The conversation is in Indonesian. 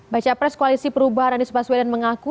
baca pres koalisi perubahan anies baswedan mengaku